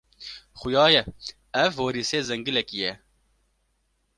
Xuya ye, ev werîsê zengilekî ye.